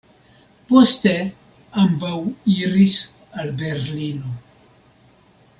Poste ambaŭ iris al Berlino.